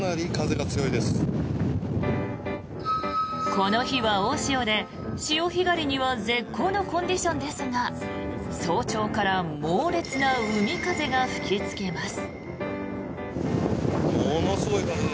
この日は大潮で、潮干狩りには絶好のコンディションですが早朝から猛烈な海風が吹きつけます。